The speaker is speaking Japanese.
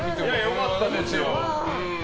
良かったですよ。